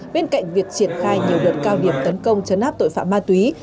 bên cạnh việc triển khai nhiều đợt cao điểm tấn công chấn áp tội phạm ma túy